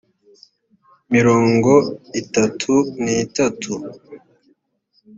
mirongo itatu n itatu